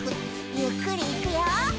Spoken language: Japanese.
ゆっくりいくよ。